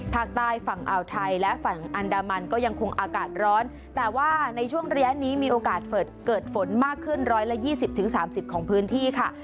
ภาคใต้ฝั่งอ่าวไทยและฝั่งอันดามันก็ยังคงอากาศร้อนแต่ว่าในช่วงระยะนี้มีโอกาสเกิดฝนมากขึ้น๑๒๐๓๐ของพื้นที่ค่ะ